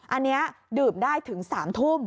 อันนี้ดื่มได้ถึง๓ทุ่ม